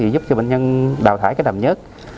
giúp cho bệnh nhân đào thải cái đầm nhớt